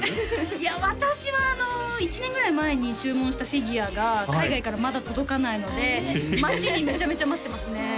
いや私はあの１年ぐらい前に注文したフィギュアが海外からまだ届かないので待ちにめちゃめちゃ待ってますね